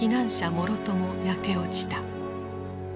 もろとも焼け落ちた。